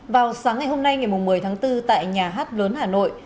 vào sáng ngày hôm nay ngày một mươi tháng bốn tại nhà hát lớn hà nội